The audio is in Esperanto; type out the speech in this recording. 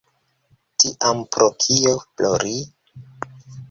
Tiam pro kio plori?